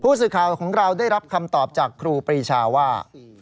สื่อข่าวของเราได้รับคำตอบจากครูปรีชาว่า